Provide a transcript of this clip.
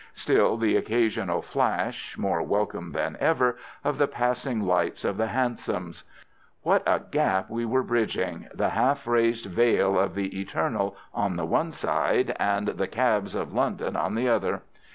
Still the occasional flash, more welcome than ever, of the passing lights of the hansoms. What a gap we were bridging, the half raised veil of the eternal on the one side and the cabs of London on the other.